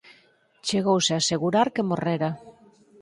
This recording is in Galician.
Chegouse a asegurar que morrera.